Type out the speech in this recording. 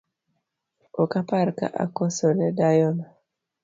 Okapar ka akoso ne dayono